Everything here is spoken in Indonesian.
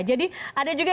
jadi ada juga